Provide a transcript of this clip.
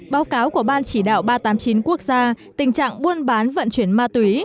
báo cáo của ban chỉ đạo ba trăm tám mươi chín quốc gia tình trạng buôn bán vận chuyển ma túy